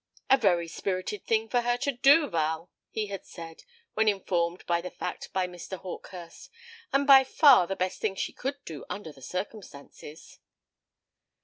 "A very spirited thing for her to do, Val," he had said, when informed of the fact by Mr. Hawkehurst; "and by far the best thing she could do, under the circumstances."